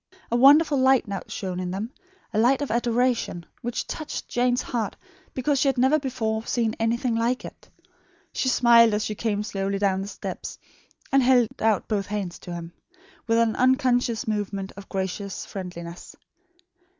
A wonderful light now shone in them; a light of adoration, which touched Jane's heart because she had never before seen anything quite like it. She smiled as she came slowly down the steps, and held out both hands to him with an unconscious movement of gracious friendliness.